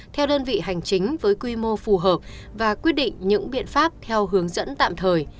theo đơn vị hành chính với quy mô phù hợp và quyết định những biện pháp theo hướng dẫn tạm thời